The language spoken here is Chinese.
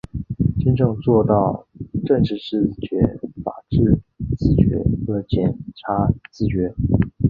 真正做到政治自觉、法治自觉和检察自觉